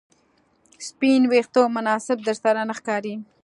سپین ویښته مناسب درسره نه ښکاري